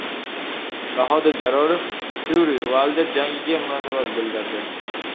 Bahodir Jalolov Fyuri - Uaylder jangiga munosabat bildirdi